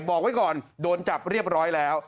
บอกไว้ก่อนโดนจับเรียบร้อยแล้ว